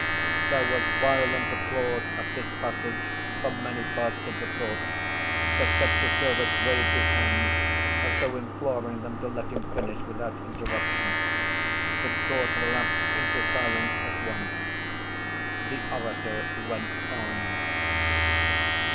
There was violent applause at this passage from many parts of the court, but Fetyukovitch waved his hands as though imploring them to let him finish without interruption. The court relapsed into silence at once. The orator went on.